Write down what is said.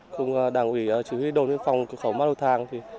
cùng đảng ủy chỉ huy đồn liên phòng cửa khẩu ma lù thàng